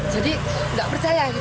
jadi nggak percaya gitu